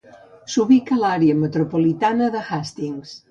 S'ubica a l'àrea metropolitana de Hastings.